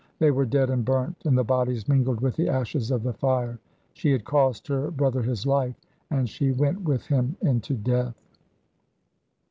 They were dead and burnt, and the bodies mingled with the ashes of the fire. She had cost her brother his life, and she went with him into death.